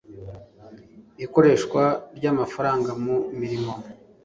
ikoreshwa ry ‘amafaranga mu mirimo.